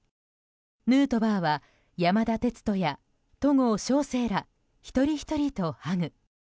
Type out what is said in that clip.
ヌートバーは山田哲人や戸郷翔征ら一人ひとりとハグ。